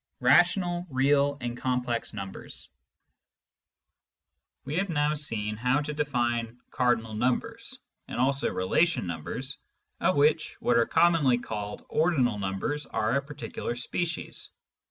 CHAPTER VII RATIONAL, REAL, AND COMPLEX NUMBERS We have now seen how to define cardinal numbers, and also relation numbers, of which what are commonly called ordinal numbers are a particular species.